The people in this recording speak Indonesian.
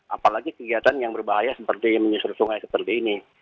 apalagi kegiatan yang berbahaya seperti menyusur sungai seperti ini